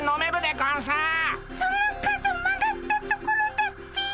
その角曲がったところだっピィ。